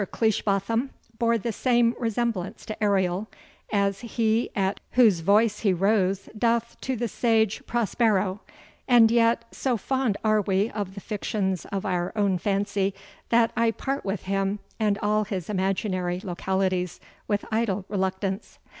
Cleishbotham bore the same resemblance to Ariel, as he at whose voice he rose doth to the sage Prospero; and yet, so fond are we of the fictions of our own fancy, that I part with him, and all his imaginary localities, with idle reluctance.